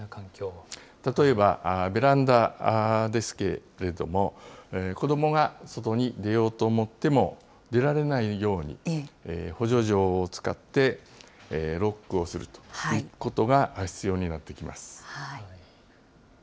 例えばベランダですけれども、子どもが外に出ようと思っても、出られないように、補助錠を使って、ロックをするということが必要になってきます。